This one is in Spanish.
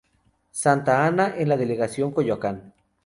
Santa Ana en la delegación Coyoacán.